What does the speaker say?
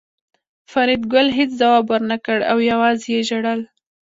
فریدګل هېڅ ځواب ورنکړ او یوازې یې ژړل